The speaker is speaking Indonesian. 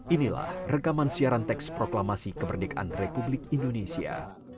inilah rekaman siaran teks proklamasi kemerdekaan republik indonesia